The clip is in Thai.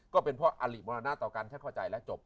ก็เป็นเพราะอลิมรณะต่อกันถ้าเข้าใจและจบ